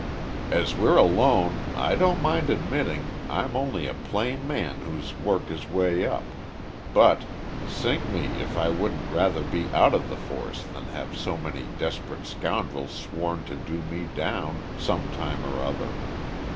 "As we're alone I don't mind admitting I'm only a plain man who's worked his way up, but sink me if I wouldn't rather be out of the force than have so many desperate scoundrels sworn to do me down some time or other.